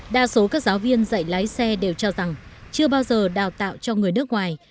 đa số các giáo viên dạy lái xe đều cho rằng chưa bao giờ đào tạo cho người nước ngoài